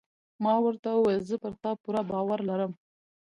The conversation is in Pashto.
ما ورته وویل: زه پر تا پوره باور لرم.